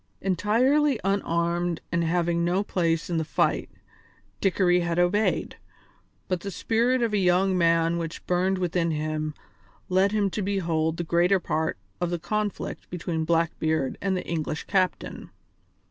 Entirely unarmed and having no place in the fight, Dickory had obeyed, but the spirit of a young man which burned within him led him to behold the greater part of the conflict between Blackbeard and the English captain.